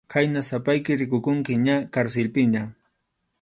Khayna sapayki rikukunki ña karsilpiña.